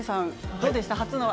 どうでしたか？